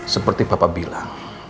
seperti bapak bilang